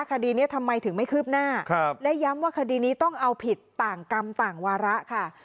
คดีนี้ทำไมถึงไม่คืบหน้าและย้ำว่าคดีนี้ต้องเอาผิดต่างกรรมต่างวาระค่ะ